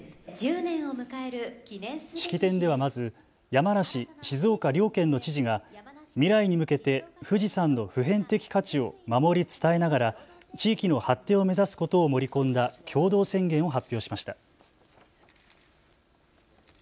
式典では、まず山梨・静岡両県の知事が未来に向けて富士山の普遍的価値を守り伝えながら地域の発展を目指すことを盛り込んだ共同宣言を発表しました。